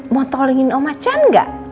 mau tolongin om macan gak